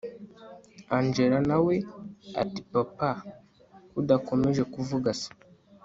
angella nawe ati papa ko udakomeje kuvuga se